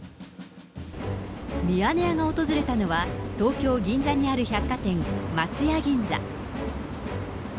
ミヤネ屋が訪れたのは東京・銀座にある百貨店、松屋銀座。